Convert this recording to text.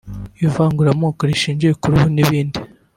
ivanguramoko rishingiye ku ruhu n’ibindi